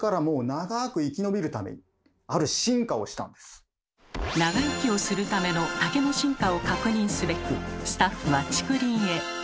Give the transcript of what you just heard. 更に竹は長生きをするための竹の進化を確認すべくスタッフは竹林へ。